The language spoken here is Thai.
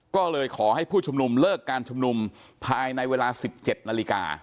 ก็เลยขอให้ผู้ชุมนุมเลิกการชุมนุมภายในเวลา๑๗นาฬิกา